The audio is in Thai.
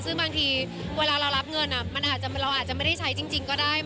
ซึ่งบางทีเวลาเรารับเงินเราอาจจะไม่ได้ใช้จริงก็ได้